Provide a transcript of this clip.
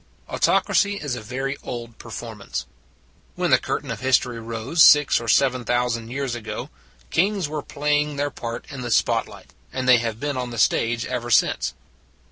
Autocracy is a very old performance. When the curtain of history rose six or seven thousand years ago, kings were play ing their part in the spot light, and they have been on the stage ever since.